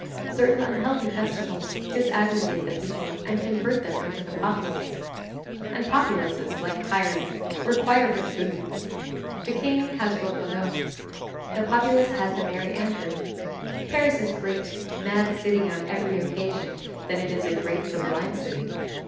Certain unhealthy festivals disaggregate the people and convert them into the populace. And populaces, like tyrants, require buffoons. The King has Roquelaure, the populace has the Merry Andrew. Paris is a great, mad city on every occasion that it is a great sublime city.